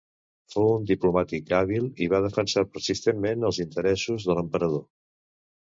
Fou un diplomàtic hàbil, i va defensar persistentment els interessos de l'emperador.